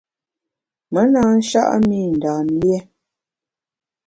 Me na sha’a mi Ndam lié.